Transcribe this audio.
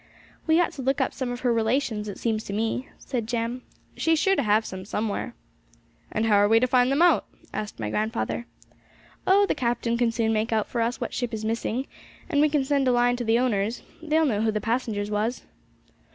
'We ought to look up some of her relations, it seems to me,' said Jem. 'She's sure to have some, somewhere.' 'And how are we to find them out?' asked my grandfather. 'Oh, the captain can soon make out for us what ship is missing, and we can send a line to the owners; they'll know who the passengers was.'